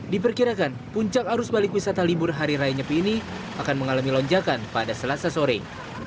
diperkirakan puncak arus balik wisata libur hari raya nyepi ini akan mengalami lonjakan pada selasa sore